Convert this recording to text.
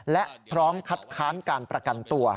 และพร้อมคัดค้านการประกันตัว